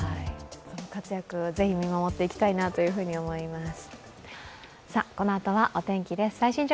活躍をぜひ見守っていきたいなと思います。